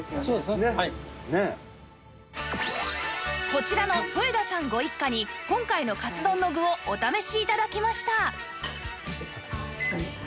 こちらの添田さんご一家に今回のカツ丼の具をお試し頂きました